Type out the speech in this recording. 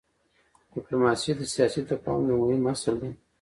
ډيپلوماسي د سیاسي تفاهم یو مهم اصل دی.